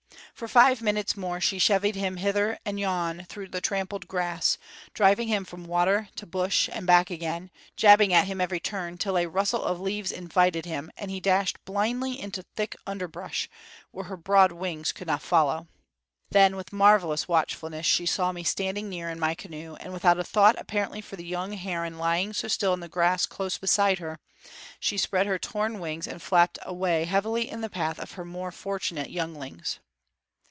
For five minutes more she chevied him hither and yon through the trampled grass, driving him from water to bush and back again, jabbing him at every turn; till a rustle of leaves invited him, and he dashed blindly into thick underbrush, where her broad wings could not follow. Then with marvelous watchfulness she saw me standing near in my canoe; and without a thought, apparently, for the young heron lying so still in the grass close beside her, she spread her torn wings and flapped away heavily in the path of her more fortunate younglings.